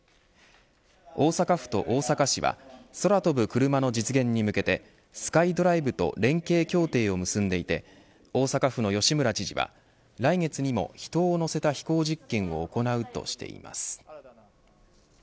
大阪府と大阪市は空飛ぶクルマの実現に向けてスカイドライブと連携協定を結んでいて大阪府の吉村知事は来月にも人を乗せた飛行実験を行うとしています。